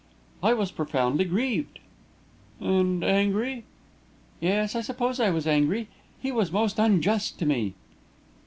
"I was profoundly grieved." "And angry?" "Yes, I suppose I was angry. He was most unjust to me."